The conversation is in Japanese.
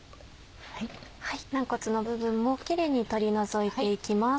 軟骨の部分もキレイに取り除いて行きます。